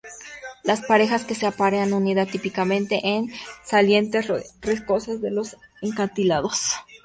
Las parejas que se aparean anidan típicamente en salientes rocosas de los acantilados.